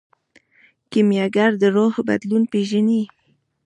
کیمیاګر د روح بدلون پیژني.